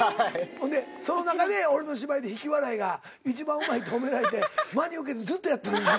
ほんでその中で俺の芝居で引き笑いが一番うまいって褒められて真に受けてずっとやってる。